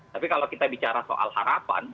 tapi kalau kita bicara soal harapan